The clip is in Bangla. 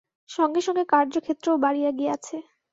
সঙ্গে সঙ্গে কার্যক্ষেত্রও বাড়িয়া গিয়াছে।